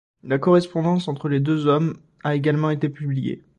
La correspondance entre les deux hommes a également été publiée.